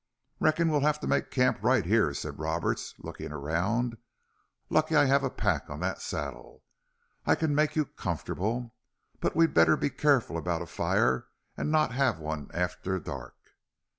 "Reckon we'll have to make camp right here," said Roberts, looking around. "Lucky I've a pack on that saddle. I can make you comfortable. But we'd better be careful about a fire an' not have one after dark."